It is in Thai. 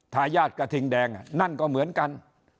ทายาทกระทิงแดงนั่นก็เหมือนกัน